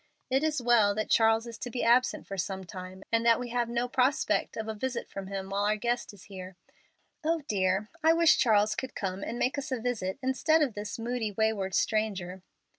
It is well that Charles is to be absent for some time, and that we have no prospect of a visit from him while our guest is here. Oh, dear! I wish Charles could come and make us a visit instead of this moody, wayward stranger."